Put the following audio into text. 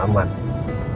aku berhutang untuk dia